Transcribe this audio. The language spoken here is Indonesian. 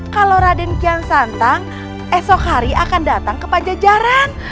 kalau raden kian santang esok hari akan datang ke pajajaran